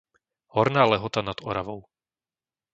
Horná Lehota nad Oravou